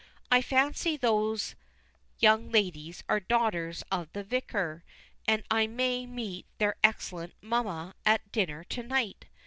I fancy those young ladies are daughters of the Vicar, and I may meet their excellent mamma at dinner to night.